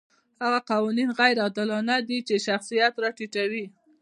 هغه قوانین غیر عادلانه دي چې شخصیت راټیټوي.